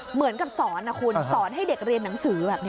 เหมือนกับสอนนะคุณสอนให้เด็กเรียนหนังสือแบบนี้